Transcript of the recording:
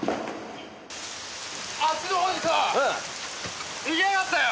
あっちの方にさ逃げやがったよ。